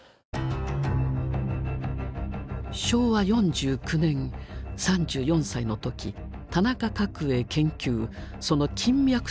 昭和４９年３４歳の時「田中角栄研究その金脈と人脈」を発表。